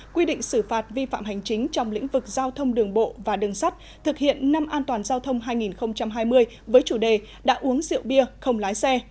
quy định xử phạt vi phạm hành chính trong lĩnh vực giao thông đường bộ và đường sắt thực hiện năm an toàn giao thông hai nghìn hai mươi với chủ đề đã uống rượu bia không lái xe